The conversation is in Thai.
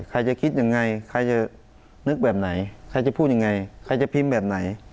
ใครจะคิดยังไงใครจะนึกแบบไหนใครจะพูดยังไงใครจะพิมพ์แบบไหน